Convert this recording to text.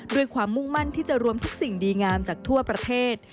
ด้วยความมุ่งมั่นที่จะรวมทุกสิ่งดีงามจากทั่วประเทศ